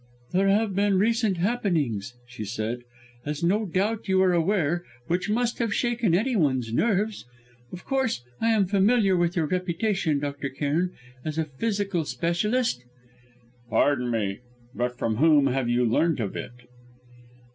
"There have been recent happenings," she said "as no doubt you are aware which must have shaken anyone's nerves. Of course, I am familiar with your reputation, Dr. Cairn, as a psychical specialist ?" "Pardon me, but from whom have you learnt of it?"